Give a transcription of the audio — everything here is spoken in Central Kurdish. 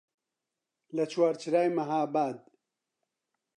لە چوارچرای مەهاباد